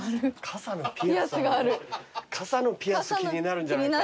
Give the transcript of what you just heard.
傘のピアス気になるんじゃない？